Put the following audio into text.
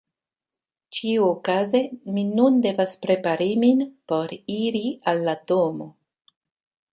Ĉiuokaze mi nun devas prepari min por iri al la domo.